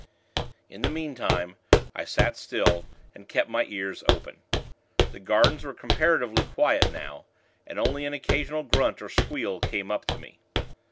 In the meantime, I sat still, and kept my ears open. The gardens were comparatively quiet now, and only an occasional grunt or squeal came up to me.